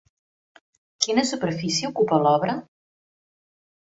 Quina superfície ocupa l'obra?